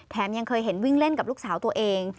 ยังเคยเห็นวิ่งเล่นกับลูกสาวตัวเอง